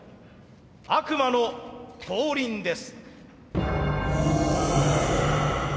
悪魔の降臨です。